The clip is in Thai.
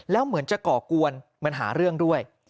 แล้วเหมือนจะก่อกวนเหมือนหาเรื่องด้วย